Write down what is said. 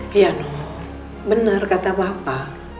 riano benar kata bapak